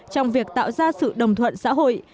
trong việc tạo ra sự đồng thuận xã hội